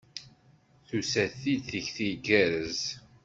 Tusa-t-id tikti tgerrez.